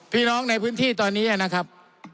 พี่น้องในพื้นที่ตอนนี้นะครับ